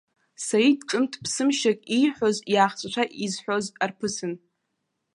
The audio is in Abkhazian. Саид ҿымҭ-ԥсымшьак, ииҳәоз иаахҵәашәа изҳәоз арԥысын.